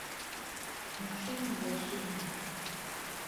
Мужчыны ўвайшлі ў хату.